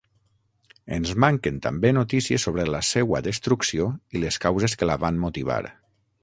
Ens manquen també notícies sobre la seua destrucció i les causes que la van motivar.